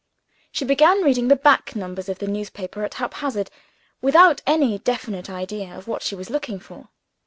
She began reading the back numbers of the newspaper at haphazard, without any definite idea of what she was looking for.